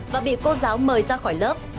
và bị cô giáo mời ra khỏi lớp